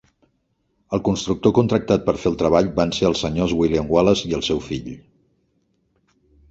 El constructor contractat per fer el treball van ser els senyors William Wallace i el seu fill.